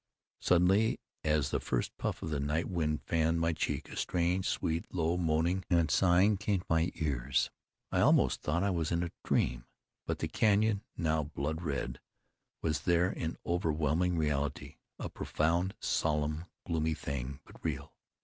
Suddenly, as the first puff of the night wind fanned my cheek, a strange, sweet, low moaning and sighing came to my ears. I almost thought I was in a dream. But the canyon, now blood red, was there in overwhelming reality, a profound, solemn, gloomy thing, but real.